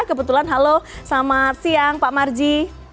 kebetulan halo selamat siang pak marji